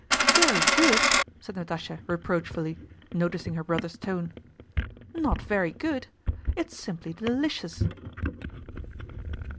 "Very good?" said Natásha reproachfully, noticing her brother's tone. "Not 'very good' it's simply delicious!"